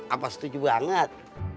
apa setuju banget